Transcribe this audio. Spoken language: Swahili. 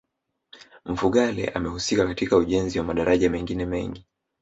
Mfugale amehusika katika ujenzi wa madaraja mengine mengi